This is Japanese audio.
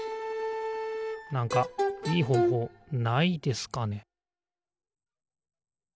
なんかいいほうほうないですかね？